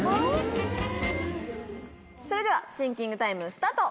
それではシンキングタイムスタート！